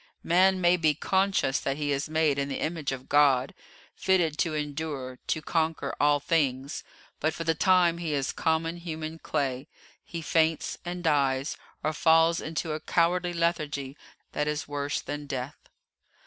Man may be conscious that he is made in the image of God, fitted to endure, to conquer, all things, but for the time he is common human clay, he faints and dies, or falls into a cowardly lethargy that is worse than death.